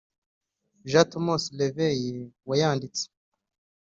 Jean-Thomas Léveilllé wayanditse